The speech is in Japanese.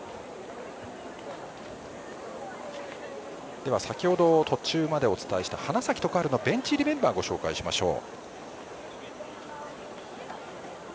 では、先程途中までお伝えした花咲徳栄のベンチ入りのメンバーをご紹介しましょう。